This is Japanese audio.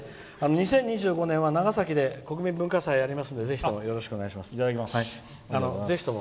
２０２５年は長崎で国民文化祭があるのでぜひともよろしくお願いします。